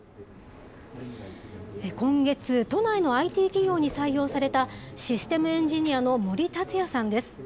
今月、都内のＩＴ企業に採用された、システムエンジニアの森竜也さんです。